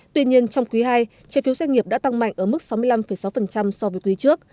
tuy nhiên trong quý ii trái phiếu doanh nghiệp đã tăng mạnh ở mức sáu mươi năm sáu so với quý trước